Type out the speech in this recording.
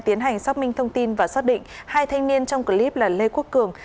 tiến hành xác minh thông tin và xác định hai thanh niên trong clip là lê quốc cường